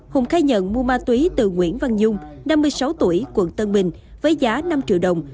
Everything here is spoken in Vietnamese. hùng khai nhận mua ma túy từ nguyễn văn dung năm mươi sáu tuổi quận tân bình với giá năm triệu đồng